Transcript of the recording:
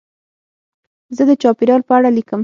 زه د چاپېریال په اړه لیکم.